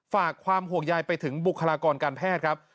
ฝากความห่วงใยไปถึงบุคลากรการแพทย์ครับ